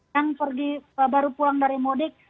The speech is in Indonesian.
yang baru pulang dari mudik